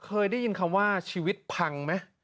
เคยได้ยินคำว่าชีวิตพังไหม